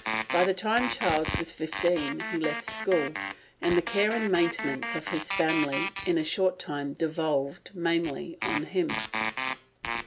By the time Charles was fifteen he left school, and the care and maintenance of his family in a short time devolved mainly on him.